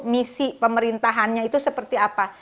misi pemerintahannya itu seperti apa